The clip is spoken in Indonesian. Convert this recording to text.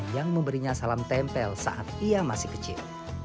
yang memberinya salam tempel saat ia masih kecil